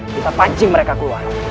kita pancing mereka keluar